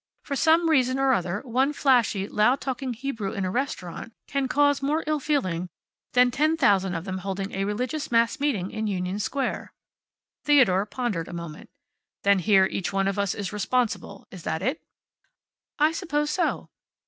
For some reason or other one flashy, loud talking Hebrew in a restaurant can cause more ill feeling than ten thousand of them holding a religious mass meeting in Union Square." Theodore pondered a moment. "Then here each one of us is responsible. Is that it?" "I suppose so."